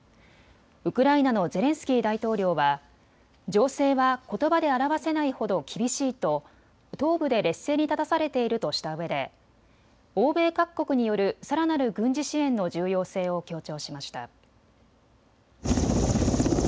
ウクライナのゼレンスキー大統領は情勢はことばで表せないほど厳しいと東部で劣勢に立たされているとしたうえで欧米各国によるさらなる軍事支援の重要性を強調しました。